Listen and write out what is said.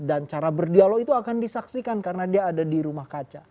dan cara berdialog itu akan disaksikan karena dia ada di rumah kaca